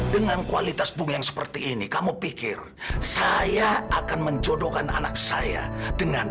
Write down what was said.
dengan kualitas bunga yang seperti ini kamu pikir saya akan menjodohkan anak saya dengan